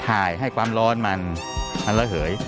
ถ่ายให้ความร้อนมันมันระเหย